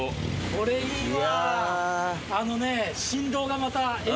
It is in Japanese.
これはいいわ。